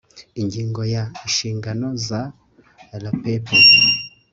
ingingo ya inshingano za rapep